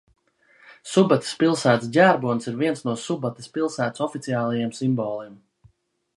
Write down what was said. Subates pilsētas ģerbonis ir viens no Subates pilsētas oficiālajiem simboliem.